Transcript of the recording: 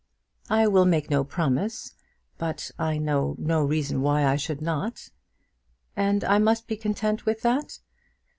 "I will make no promise; but I know no reason why I should not." "And I must be content with that?